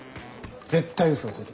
絶対嘘をついてます。